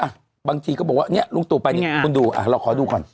บางทีก็บอกว่าเนี่ยลุงตู่ไปนี่คุณดูอ่ะเราขอดูก่อน